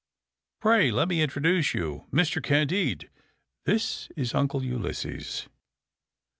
Pray let me introduce you. Mr. Candide, this is Uncle Ulysses."